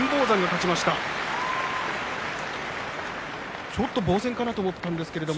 ちょっと防戦かと思ったんですけどね